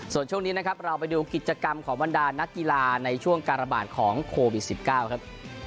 ส่วนช่วงนี้นะครับเราไปดูกิจกรรมของบรรดานักกีฬาในช่วงการระบาดของโควิด๑๙ครับ